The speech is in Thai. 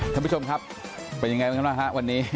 ท่านผู้ชมครับเป็นยังไงบ้างฮะวันนี้